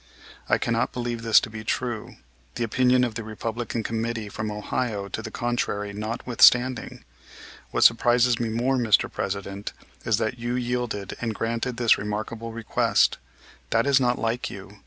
I cannot believe this to be true, the opinion of the Republican committee from Ohio to the contrary notwithstanding. What surprises me more, Mr. President, is that you yielded and granted this remarkable request. That is not like you.